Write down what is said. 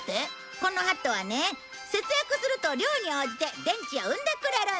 このハトはね節約すると量に応じて電池を産んでくれるんだ。